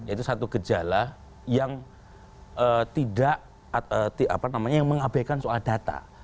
itu satu gejala yang tidak mengabaikan soal data